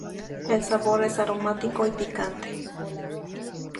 El sabor es aromático y picante.